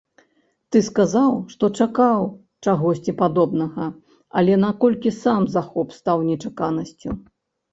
Ты сказаў, што чакаў чагосьці падобнага, але наколькі сам захоп стаў нечаканасцю?